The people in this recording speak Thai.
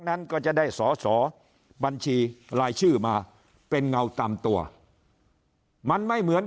นั้นก็จะได้สอสอบัญชีรายชื่อมาเป็นเงาตามตัวมันไม่เหมือน